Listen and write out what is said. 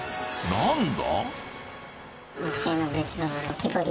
何だ？